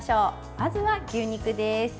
まずは牛肉です。